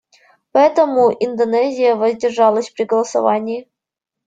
Поэтому Индонезия воздержалась при голосовании.